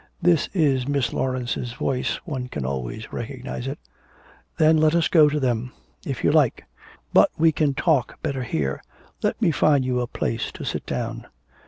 That is Miss Laurence's voice, one can always recognise it.' 'Then let us go to them.' 'If you like. But we can talk better here. Let me find you a place to sit down.'